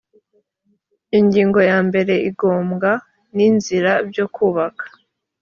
ingingo ya mbere ibyangombwa n inzira byo kubaka